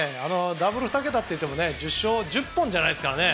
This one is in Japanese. ダブル２桁といっても１０勝１０本じゃないですからね。